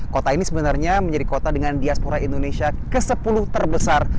kota ini sebenarnya menjadi kota dengan diaspora indonesia ke sepuluh terbesar